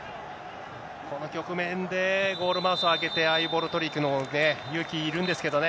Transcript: この局面でゴールマウス開けて、ああいうボールを取りに行くのって、勇気いるんですけどね。